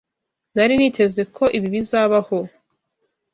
Nari niteze ko ibi bizabaho.